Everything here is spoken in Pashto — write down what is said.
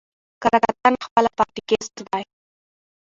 کره کتنه خپله پاراټيکسټ دئ.